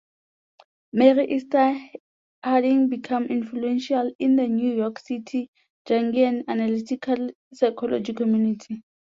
Mary Esther Harding became influential in the New York City Jungian Analytical psychology community.